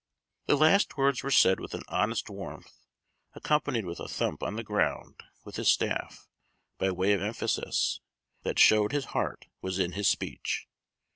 _" The last words were said with an honest warmth, accompanied with a thump on the ground with his staff, by way of emphasis, that showed his heart was in his speech.